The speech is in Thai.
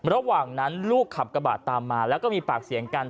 ระหว่างนั้นลูกขับกระบะตามมาแล้วก็มีปากเสียงกัน